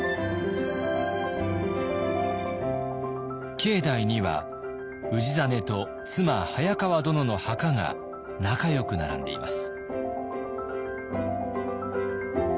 境内には氏真と妻早川殿の墓が仲よく並んでいます。